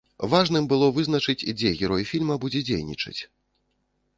Важным было вызначыць, дзе герой фільма будзе дзейнічаць.